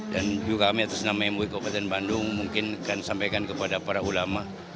dan juga kami atas nama mui kabupaten bandung mungkin akan sampaikan kepada para ulama